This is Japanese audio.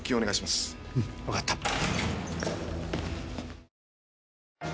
わかった。